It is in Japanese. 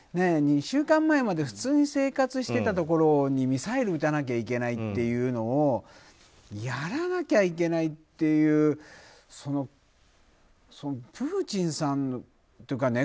２週間前まで普通に生活していたところにミサイルを撃たなきゃいけないというのをやらなきゃいけないっていうプーチンさんというか